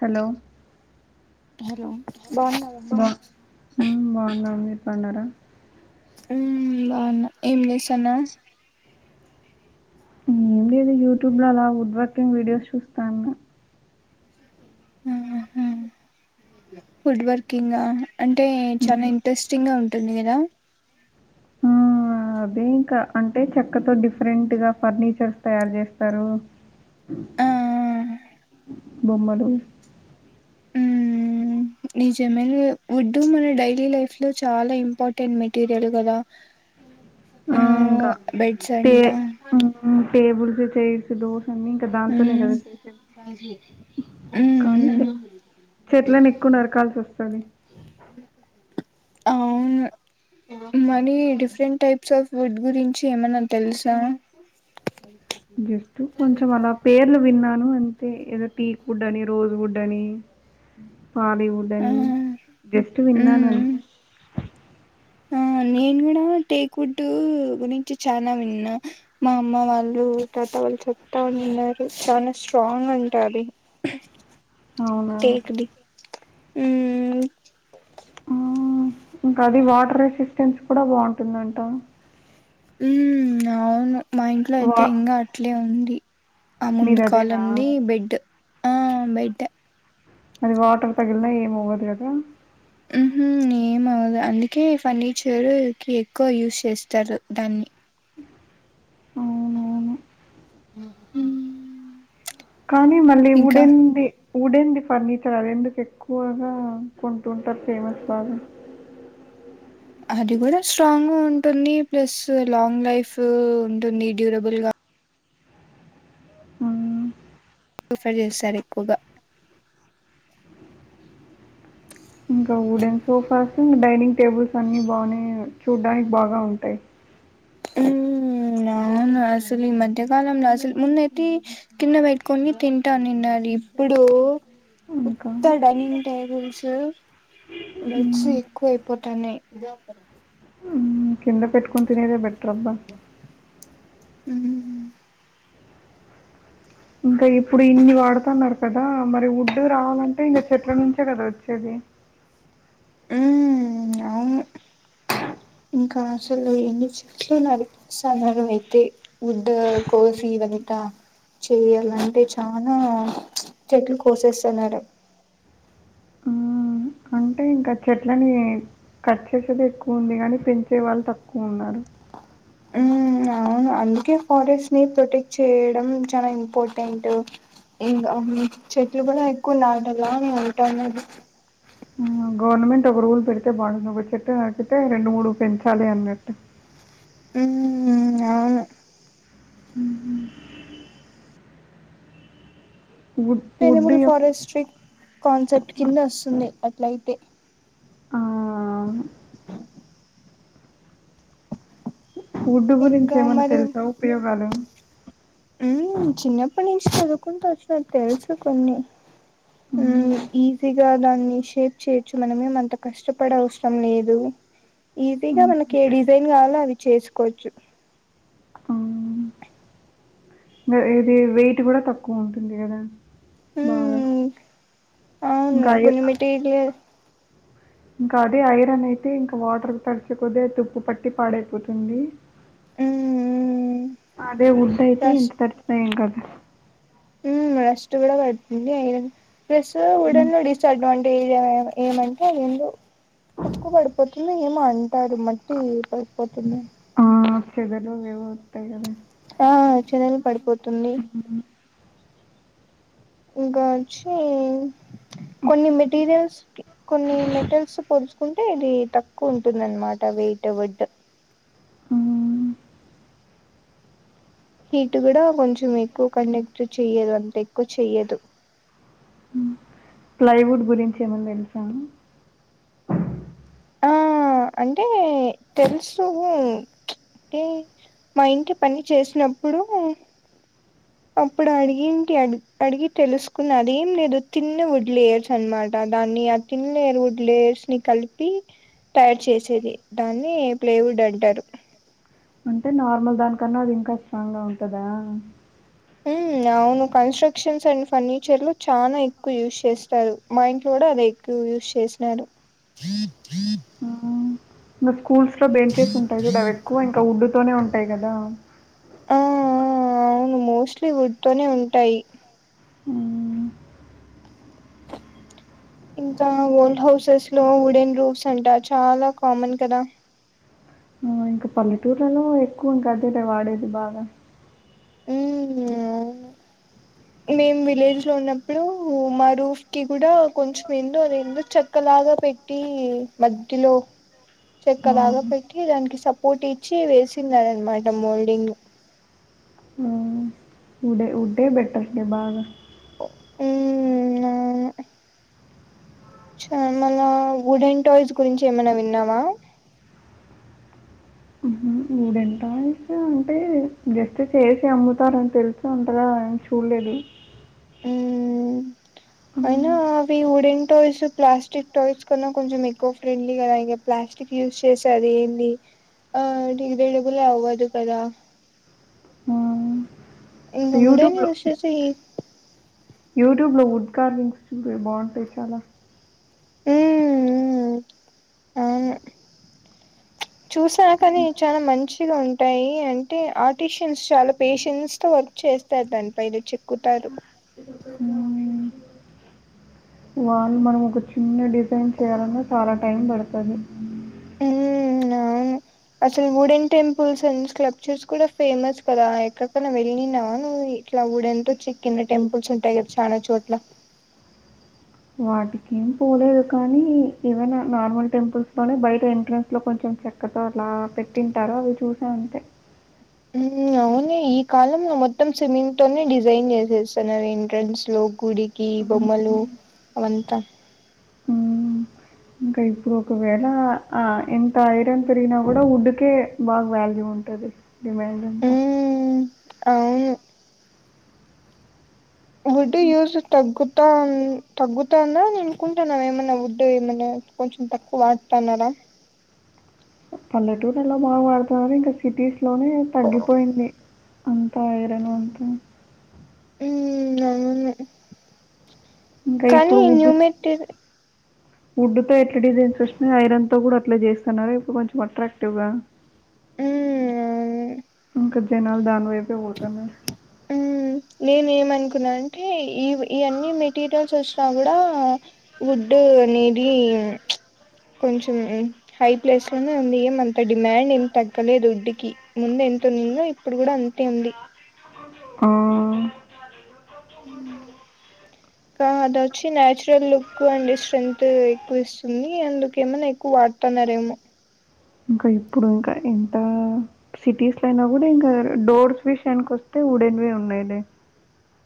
Hello hello బాగున్నావా బాగ్ మ్ బాగున్నామ్ మీరు బావున్నారా మ్ బాగున్న ఏం చేస్తన్నావ్ మ్ ఏం లేదు యూట్యూబ్ లో అలా వుడ్ వర్కింగ్ వీడియోస్ చూస్తాను చె ఫుడ్ వర్కింగా అంటే చాలా ఇంట్రెస్టింగ్ గా ఉంటుంది కదా ఆ అదే ఇంకా అంటే చెక్కతో డిఫరెంట్ గా ఫర్నిచర్స్ తయారు చేస్తారు ఆ బొమ్మలు అ నిజమెలే వుడ్డు మన డైలీ లైఫ్ లో చాలా ఇంపార్టెంట్ మెటీరియల్ కదా ఆ ఉమ్ ఇంకా బెడ్స్ టే అంట టేబుల్స్ చైర్స్ దోస అన్నీ ఇంకా ఇంకా దానితోనే ఉమ్ కదా చేసేది కానిలే ఉమ్ చెట్లను ఎక్కువ నరకాల్సి వస్తుంది అవును many different types of food గురించి ఏమైనా తెలుసా స జస్ట్ కొంచం అలా పేర్లు విన్నాను అంటే ఏదో టీక్డ్ అని రోజు ఫుడ్ అని హాలీవుడ్ ఆ అని జస్ట్ విన్నాను ఉమ్ అంతే ఆ నేను కూడా టేక్డ్ వుడ్ గురించి చానా విన్నా మా అమ్మ వాళ్ళు తాత వాళ్ళు చెప్తా ఉన్నారు చాలా స్ట్రాంగ్ అంట అది అవునా టేక్ ది ఉమ్ హ్మ్ ఇంకా అది వాటర్ రెసిస్టెన్స్ కూడా బాగుంటుందంట ఉమ్ అవును మా ఇంట్లో వా అయితే ఇంకా అట్లే ఉంది ఆ ముందు మీదదేనా కాలంది బెడ్ ఆ బెడ్ అది వాటర్ తగిలినా ఏమ్ అవ్వదు కదా ఉంహు ఏమవదు అందుకే ఫర్నిచరు కి ఎక్కువ యూజ్ చేస్తారు దాన్ని అవునవును ఉమ్ కానీ మళ్ళీ ఊడింది ఉడేంది ఫర్నిచర్ అది ఎందుకు ఎక్కువగా కొంటుంటారు ఫేమస్ బాగా అది కూడా స్ట్రాంగ్ గా ఉంటుంది ప్లస్ లాంగ్ లైఫ్ ఉంటుంది డ్యూరబుల్ గా ఆ ప్రిఫర్ చేస్తారు ఎక్కువగా ఇంకా వుడెన్ సోఫాస్ంకా డైనింగ్ టేబుల్స్ అన్ని బాగానే చూడడానికి బాగా ఉంటాయి అవునా అసలు ఈ మధ్యకాలంలోసలు ముందు అయితే కిన్న పెట్టుకొని తింటానున్నారు ఇప్పుడు ఇంకా ఉత్త డైనింగ్ టేబుల్స్ బెడ్స్ ఎక్కువ అయిపోతాన్నాయి హ్మ్ కింద పెట్టుకొని తినేదే బెటర్ అబ్బా ఉ ఇంకా ఇప్పుడు ఇన్ని వాడుతున్నారు కదా మరి వుడ్డు రావాలంటే ఇంకా చెట్ల నుంచే కదా వచ్చేది అ అవును ఇంకా అసలు ఎన్ని చెట్లు నడికేస్తన్నారు అయితే ఉడ్ కోసి ఇదంతా చెయాలంటే చాలా చెట్లు కోసేసన్నారు మ్మ్. అంటే ఇంకా చెట్లని కట్ చేసేది ఎక్కువ ఉంది కానీ పెంచే వాళ్ళు తక్కువ ఉన్నారు ఉమ్ అవును అందుకే ఫారెస్ట్ ని ప్రొటెక్ట్ చేయడం చాలా ఇంపార్టెంట్ ఇంకా అవి చెట్లు కూడా ఎక్కువ నాటాల అనీ అంటనారు మ్మ్. గవర్నమెంట్ ఒక రూల్ పెడితే బాగుండు ఒక చెట్టు నకితే రెండు మూడు పెంచాలి అన్నట్టు ఉమ్ ఉ అవును ఉమ్ హు వుడ్ వుడ్ ఎనిమల్ యొక్క- ఫారెస్ట్రీక్ కాన్సెప్ట్ కింద వస్తుంది అట్లయితే ఆ వుడ్డు గురించి ఇంకా ఏమైన్నా మరి తెలుసా ఉపయోగాలు మ్ చిన్నప్పటి నుంచి చదువుకుంటూ వచ్చిన తెలుసు కొన్ని మ్ మ్మ్. ఈజీగా దాన్ని షేప్ చేయొచ్చు మనమేం అంత కష్టపడల్సిన అవసరం లేదు ఈజీగా మ్మ్. మనకి ఏ డిజైన్ కావాలో అవి చేసుకోవచ్చు మ్మ్. ఇది వెయిట్ కూడా తక్కువ ఉంటుంది కదా బాగా ఉమ్ ఇంకా ట్జ్ లేదు ఇంకా అదే ఐరన్ అయితే ఇంకా వాటర్ తడిచిపోతే తుప్పు పట్టి పాడైపోతుంది అదే ఉడ్ అయితే రష్ ఎంత తడిచిన ఎం కాదు మ్ డస్ట్ కూడా పడుతుంది ఐరన్ ప్లస్ ఉడన్ డిస్ అడ్వాం టిగా ఏమంటే అందెందో తక్కువ పడిపోతుంది ఏమంటారు మ టి పై పోతుంది ఆ చేదలు ఏవో వస్తయి కద ఆ చెదలు పడిపోతుంది ఇంకా వచ్చి కొన్ని మెటీరియల్స్ క్ కొన్ని మెటరల్స్ పోల్చుకుం టే ఇది తక్కువ ఉంటుందన్నమాట వెట్ ఉడ్ హ్మ్. హీట్ కూడా కొంచెం ఎక్కువ కండెక్ట్ చెయ్యదు అంత ఎక్కువ చెయ్యదు ప్లైవుడ్ గురించి ఏమన్నా తెలుసా ఆ అంటే తెలుసు అంటే మా ఇంటి పని చేసినప్పుడు అప్పుడు అడిగింటి అ అడిగి తెలుసుకున్న అదేం లేదు తిన్న వుడ్ లేయర్స్ అనమాట దాన్ని తిన్ లేర్వుడ్ లేయర్స్ ని కలిపి తయారు చేసేది దాన్ని ప్లేవుడ్ అంటారు అంటే నార్మల్ దానికన్నా అది ఇంకా స్ట్రాంగ్ గా ఉంటదా మ్ అవును కన్స్ట్రక్షన్స్ అండ్ ఫర్నిచర్ లో చాలా ఎక్కువ యూజ్ చేస్తారు మా ఇంట్లో కూడా అదే ఎక్ కువ్ యూస్ చేసినడు ఇంగ స్కూల్స్ లో బెంచెస్ ఉంటాయి చూడు అవి ఎక్కువ ఇంకా ఉడ్డుతోనే ఉంటాయి కదా ఆ అవును మోస్ట్లీ ఉడ్ తోనే ఉంటాయి హ్మ్. ఇంకా ఓల్డ్ హౌసెస్ లో వుడెన్ రూఫ్స్ అంట చాలా కామన్ కదా ఆ! ఇంకా పల్లెటూర్లలో ఎక్కువ ఇంకా అదేలే వాడేది బాగా మేం విలేజ్ లో ఉన్నప్పుడు మా రూఫ్ కి కూడా కొంచెం ఎందో అది ఎందో చేక్కలాగా పెట్ టి మధ్యలో చెక్క హ్మ్. లాగా పెట్టి దానికి సపోర్ట్ ఇచ్చి వేసిందాన్నమాట మోల్డింగ్ ఉడే ఊడ్డే బెటర్ లే బాగ మ్ అవును చ మన వుడెన్ టాయ్స్ గురించి ఏమైనా విన్నావా ఉడెన్ టయిస్ అంటే జస్ట్ చేసి అమ్ముతారని తెలుసు అంతగా ఎం చూడలేదు ఉమ్ అయినా హ్మ్. అవి వుడెన్ టాయ్స్ ప్లాస్టిక్ టాయ్స్ కన్నా కొంచెం ఎక్కువ ఫ్రెండ్లీ కదా ఇగ ప్లాస్టిక్ యూజ్ చేసి అది ఏంది ఆ రైడబుల్ అవ్వదు కదా హ్మ్. ఇవి కూడా యూస్ చేసి యూట్యూబ్ లో వుడ్ కార్వింగ్స్వి బాగుంటాయి చాలా అ మ్ చూసా కానీ చాలా మంచిగా ఉంటాయి అంటే ఆర్టిషియన్స్ చాలా పేషెన్స్తో వర్క్ చేస్ ారు దాని పైది చెక్కుతారు. మ్ వాళ్ళు మనం ఒక చిన్న డిజైన్ చేయాలన్నా చాలా టైం పడుతాడు. ఉమ్ అవును అసలు గోల్డెన్ టెంపుల్స్ అండ్ స్కల్ప్చర్స్ కూడా ఫేమస్ కదా, ఎక్కడిక్కన్నా వెళ్ళిందా మరి. ఇట్లా ఉడ్ తో చెక్కిన టెంపుల్స్ ఉంటాయి కదా చాలా చోట్ల వాటికి ఏం పోలేదు కానీ, ఏవైనా నార్మల్ టెంపుల్స్ లోనే బయట ఎంట్రెన్స్ లో కొంచెం చెక్క ఏట్లో అట్లా పెట్టింటారు అవి చూసే ఉంటే. [inaudible] అవునే, ఈ కాలంలో మొత్తం సిమెంట్ తోనే డిజైన్ చేసేస్తున్నారు ఎంట్రన్స్ లో గుడి. కి బొమ్మలు హ్మ్. అవంతా హ్మ్. ఇంకా ఇప్పుడు ఒకవేళ ఎంత ఐరన్ పెరిగినా కూడా ఉడ్ కే బాగా వాల్యూ ఉంటుంది. నీ వయసెంత? ఉమ్ అవును. ఉడ్ యూస్ తగ్గు [inaudible] తగ్గుతోందా అనుకుంటున్నా ఏమన్నా ఉడ్ ఏమన్నా కొంచెం తక్కువ వాడుతాన్నారా? పల్లెటూర్లలో బాగా వాడుతున్నారు ఇంకా సిటీస్ లోనే తగ్గిపోయింది. [unintelligible] కాయడము ఉమ్ అవును ఇంకా కానీ న్యూ మెట్రిక్ ఉడ్ తో ఎట్లా డిజైన్స్ వస్తున్నాయో ఐరన్ తో కూడా అట్లా చేస్తున్నారు ఇప్పుడు కొంచెం అట్రాక్టివ్ గా. ఉమ్ గొజ్జెనాయళ్లు దాని వైపే పోతున్నారు. నేను ఏమనుకున్నా అంటే ఈ అన్నీ మెటీరియల్స్ వచ్చినా కూడా ఉడ్ అనేది కొంచెం. హై ప్లేస్ లోనే ఉంది. ఏమంత డిమాండ్ ఏం తగ్గలేదు ఉడ్ కి ముందు ఎంత ఉన్నుండిందో ఇప్పుడు కూడా అంతే ఉంది. ఆ [inaudible] ఆ అదొచ్చి న్యాచురల్ లుక్ అండ్ స్ట్రైన్త్ ఎక్కువ ఇస్తుంది అందుకేమన్నా ఎక్కువ వాడుతున్నారేమో. ఇంకా ఇప్పుడు ఇంకా ఎంత? సిటీస్ లో అయినా కూడా ఇంకా డోర్స్ విషయానికి వస్తే ఉడెన్వే ఉన్నాయిలే.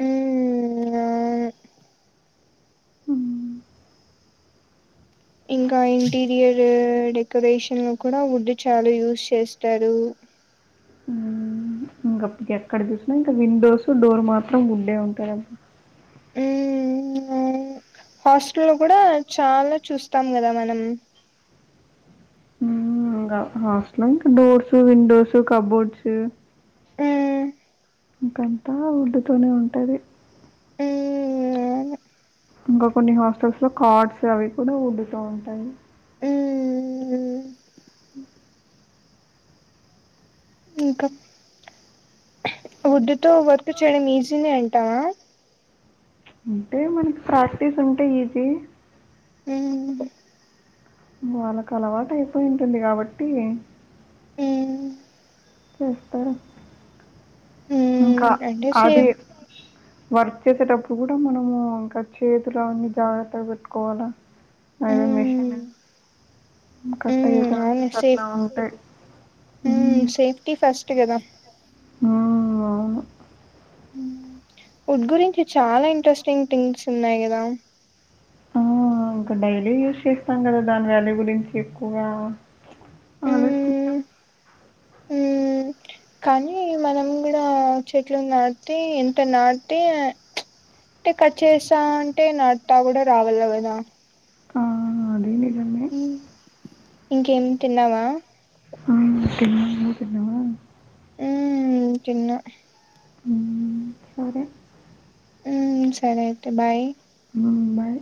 మ్మ్ మ్ ఇంకా ఇంటీరియర్ డెకరేషన్ లో కూడా ఉడ్ చాలా యూజ్ చేస్తారు. హ్మ్. ఎక్కడ చూసినా ఇంకా విండోస్, డోర్ మాత్రం ఉడ్ ఉంటాయి. మ్ హాస్టల్ లో కూడా చాలా చూస్తాం కదా మనం. హాస్టల్ అంటే డోర్సు, విండోస్, కబోర్డ్స్ మ్మ్ ఇంకంతా ఉడ్ తోనే ఉంటాది. మ్మ్ ఇంకా కొన్ని హాస్టల్స్ లో కాట్స్ అవి కూడా ఉడ్ తో ఉంటాయి. మ్మ్ ఉ ఉడ్ తో వర్క్ చేయడం ఈజీనే అంటావా? అంటే మనకి ప్రాక్టీస్ ఉంటే ఈజీ. మ్మ్ వాళ్ళకు అలవాటు అయిపోయింటాది కాబట్టి. మ్మ్ చెప్పు ఇంకా మ్మ్ అంటే అది సేఫ్ వర్క్ చేసేటప్పుడు కూడా మనము ఇంకా చేతులు అన్నీ జాగ్రత్తగా పెట్టుకోవాల. అదే మేషన్ అ కటైయ్యే ఛాన్సెస్ అట్లా ఉంటాయి ఉమ్ సేఫ్టీ ఫస్ట్. గదా ఆ అవును ఉడ్ గురించి చాలా ఇంట్రెస్టింగ్ థింగ్స్ ఉన్నాయి గదా. ఆ ఇంకా డైలీ యూజ్ చేస్తాం కదా దాని వాల్యూ గురించి ఎక్కువగా. అలోచించ ఉమ్ ఉమ్ కానీ మనం గూడా. చెట్లు నాటి ఎంటా నాటి అంటే కట్ చేస్తా అంటే నాట్టా కూడా రావాల గదా. ఆ అదే నిజమే. ఇంకేం తిన్నావా. ఆ తిన్నా నువ్వు తిన్నావా. ఉమ్మ్ తిన్నా. హ్మ్మ్ సరే. హ్మ్మ్ సరే అయితే బాయ్. హ్మ్మ్ బాయ్.